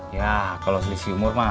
ya kalau selisih umur mah